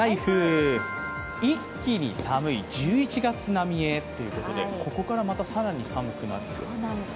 一気に寒い、１１月並みへということで、ここからまた更に寒くなってきます。